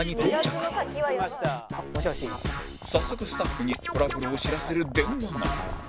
早速スタッフにトラブルを知らせる電話が